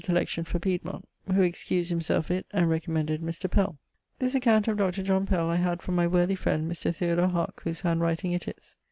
collection for Pyemont; who excused himself it and recommended Mr. Pell. This account of Dr. John Pell I had from my worthy friend Mr. Theodore Haak, whose handwriting it is.